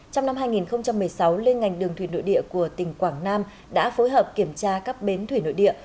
trong năm hai nghìn một mươi sáu liên ngành đường thủy nội địa của tỉnh quảng nam đã phối hợp kiểm tra các bến thủy nội địa